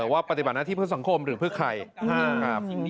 ว่าปฏิบัติหน้าที่เพื่อสังคมหรือเพื่อใครนะครับ